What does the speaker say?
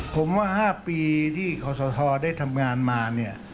ผมว่า๕ปีที่คอสอชอได้ทำงานมา